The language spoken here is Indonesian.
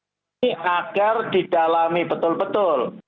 jadi agar didalami betul betul